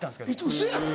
ウソやん！